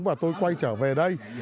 và tôi quay trở về đây